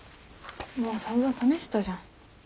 もう散々試したじゃん。